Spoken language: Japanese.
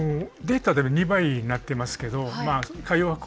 データでは２倍になっていますけど海洋博